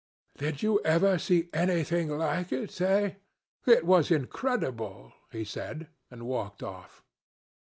'Did you ever see anything like it eh? it is incredible,' he said, and walked off.